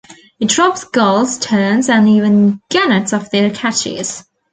It robs gulls, terns and even gannets of their catches.